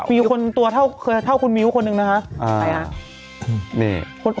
มีคนตัวเท่าคุณมิ้วคนนึงนะฮะใครอ่ะ